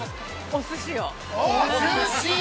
◆お寿司を？